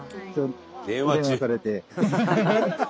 電話されて。